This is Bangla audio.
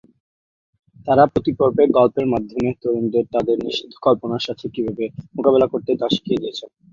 তারা প্রতি পর্বে গল্পের মাধ্যমে তরুণদের তাদের নিষিদ্ধ কল্পনার সাথে কিভাবে মোকাবেলা করতে তা শিক্ষা দিয়েছেন।